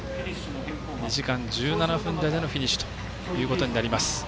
２時間１７分台でのフィニッシュとなります。